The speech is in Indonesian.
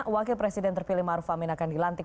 wakil presiden terpilih maruf amin akan dilantik